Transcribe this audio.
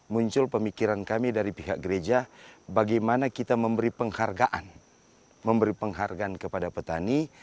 muncul pemikiran kami dari pihak gereja bagaimana kita memberi penghargaan memberi penghargaan kepada petani